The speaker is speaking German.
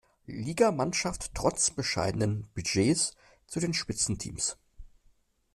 Liga-Mannschaft trotz bescheidenen Budgets zu den Spitzenteams.